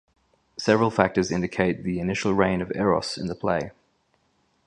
Several factors indicate the initial reign of Eros in the play.